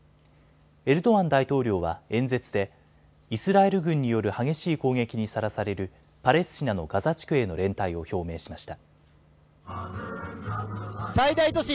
エルドアン大統領は演説でイスラエル軍による激しい攻撃にさらされるパレスチナのガザ地区への連帯を表明しました。